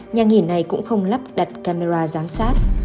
nhà nghỉ này cũng không lắp đặt camera giám sát